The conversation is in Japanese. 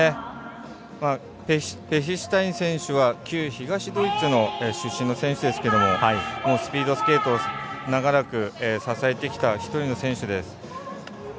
ペヒシュタイン選手は旧東ドイツの出身の選手ですがスピードスケートを長らく支えてきた１人の選手です。